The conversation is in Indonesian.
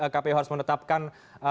kpu harus menetapkan